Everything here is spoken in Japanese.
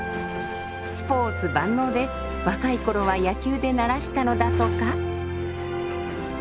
スポーツ万能で若い頃は野球で鳴らしたのだとか。